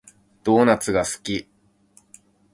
ドーナツが好き